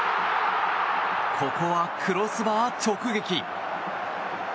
ここはクロスバー直撃。